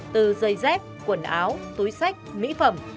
từ giày dép quần áo túi sách mỹ phẩm